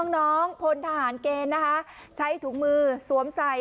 น้องพลทหารเกณฑ์นะคะใช้ถุงมือสวมใส่